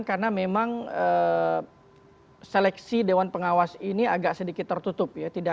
karena memang seleksi dewan pengawas ini agak sedikit tertutup ya